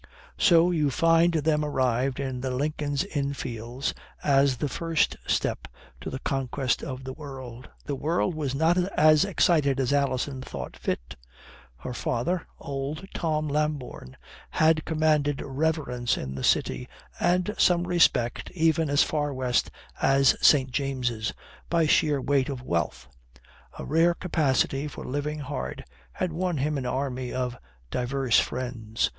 So you find them arrived in the Lincoln's Inn Fields as the first step to the conquest of the world. The world was not as excited as Alison thought fit. Her father, old Tom Lambourne, had commanded reverence in the City and some respect even as far west as St. James's by sheer weight of wealth. A rare capacity for living hard had won him an army of diverse friends.